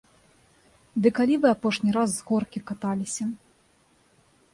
Ды калі вы апошні раз з горкі каталіся?